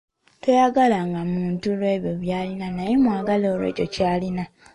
Toyagalanga muntu olw’ebyo by’alina naye mwagale olw'ekyo ky’ali.